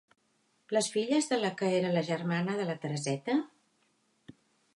Les filles de la que era la germana de la Tereseta...